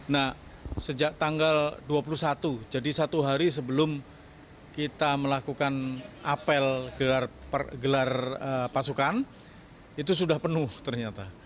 nah sejak tanggal dua puluh satu jadi satu hari sebelum kita melakukan apel gelar pasukan itu sudah penuh ternyata